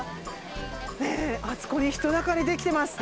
ねぇあそこに人だかりできてます